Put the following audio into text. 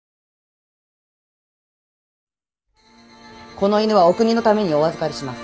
この犬はお国のためにお預かりします。